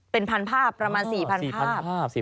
เป็นพันธุ์ภาพประมาณสี่พันธุ์ภาพ